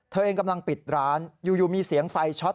เธอเองกำลังปิดร้านอยู่มีเสียงไฟช็อต